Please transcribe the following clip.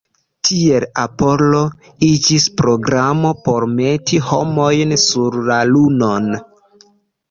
Tiel Apollo iĝis programo por meti homojn sur la Lunon.